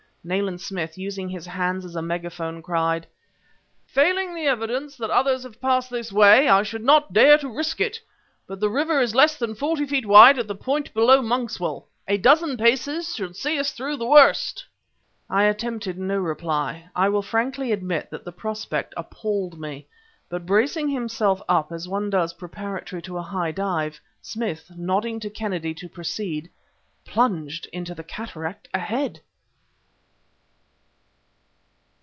Nayland Smith, using his hands as a megaphone, cried; "Failing the evidence that others have passed this way, I should not dare to risk it! But the river is less than forty feet wide at the point below Monkswell; a dozen paces should see us through the worst!" I attempted no reply. I will frankly admit that the prospect appalled me. But, bracing himself up as one does preparatory to a high dive, Smith, nodding to Kennedy to proceed, plunged into the cataract ahead....